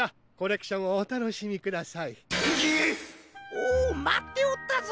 おおまっておったぞ！